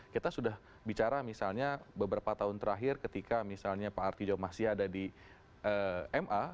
kita sudah bicara misalnya beberapa tahun terakhir ketika misalnya pak arti jomah sia ada di ma